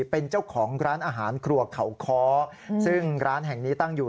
เป็นเจ้าของร้านอาหารครัวเขาค้อซึ่งร้านแห่งนี้ตั้งอยู่